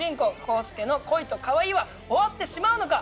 康介の恋と可愛いは終わってしまうのか？